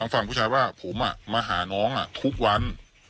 ฝั่งผู้ชายว่าผมมาหาน้องทุกวัน